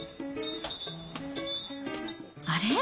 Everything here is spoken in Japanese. あれ？